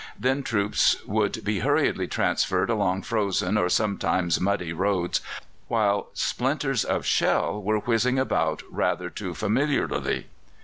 Then troops would be hurriedly transferred along frozen or sometimes muddy roads, while splinters of shell were whizzing about rather too familiarly.